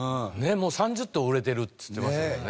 もう３０棟売れてるって言ってましたもんね。